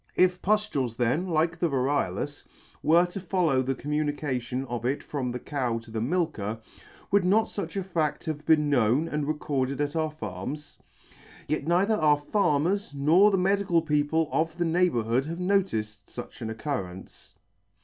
If puftules then, like the variolous, were to follow the communication of it from the cow to the milker, would not fuch a fa& have been known, and recorded at our farms? Yet neither our farmers nor the medical people of the neighbourhood have noticed fuch an occurrence.